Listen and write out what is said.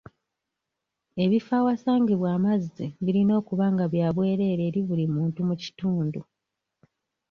Ebifo ewasangibwa amazzi birina okuba nga bya bwerere eri buli muntu mu kitundu.